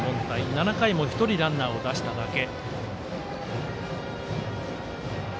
７回も１人ランナーを出しただけ。